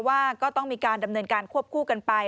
ว่าก็ต้องมีการดำเนินการควบคู่กันไป